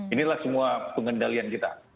inilah semua pengendalian kita